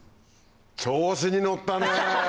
調子に乗ったね。